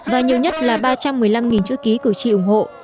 và nhiều nhất là ba trăm một mươi năm chữ ký cử tri ủng hộ